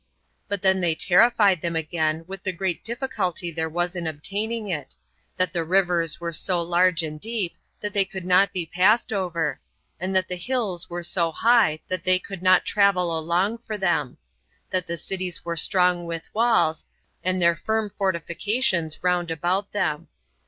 But then they terrified them again with the great difficulty there was in obtaining it; that the rivers were so large and deep that they could not be passed over; and that the hills were so high that they could not travel along for them; that the cities were strong with walls, and their firm fortifications round about them.